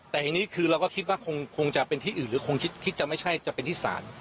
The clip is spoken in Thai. แต่ทีนี้คือเราก็คิดว่าคงจะเป็นที่อื่นหรือคงคิดจะไม่ใช่จะเป็นที่ศาล